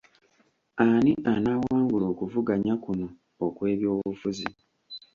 Ani anaawangula okuvuganya kuno okw'ebyobufuzi?